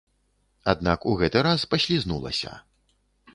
Аднак у гэты раз паслізнулася.